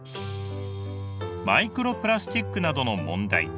マイクロプラスチックなどの問題。